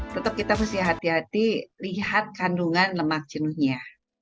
tetap kita mesti hati hati lihat kandungan lemak jenuhnya